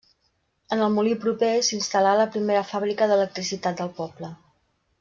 En el molí proper s'hi instal·là la primera fàbrica d'electricitat del poble.